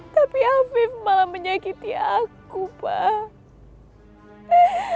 tapi habib malah menyakiti aku pak